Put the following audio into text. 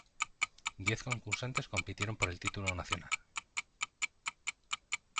Diez concursantes compitieron por el título nacional.